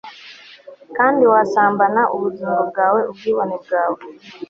kandi wasambana ubugingo bwawe ubwibone bwawe